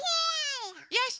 よし！